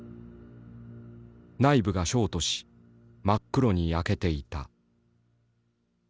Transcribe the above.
内部がショートし真っ黒に焼けていた。